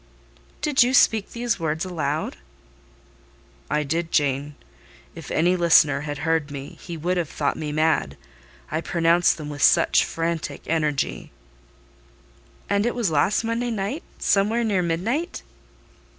'" "Did you speak these words aloud?" "I did, Jane. If any listener had heard me, he would have thought me mad: I pronounced them with such frantic energy." "And it was last Monday night, somewhere near midnight?"